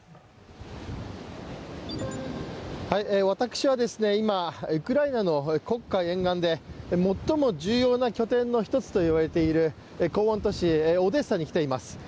私は今、ウクライナの黒海沿岸で最も重要な拠点の１つと言われている港湾都市、オデッサに来ています。